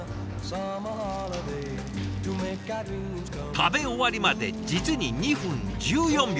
食べ終わりまで実に２分１４秒。